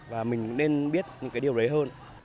và mình nên biết những điều đấy hơn